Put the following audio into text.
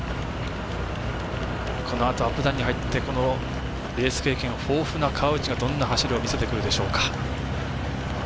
このあとアップダウンに入ってレース経験豊富な川内がどんな走りを見せてくるでしょうか。